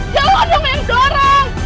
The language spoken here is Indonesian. ya allah dong yang dorong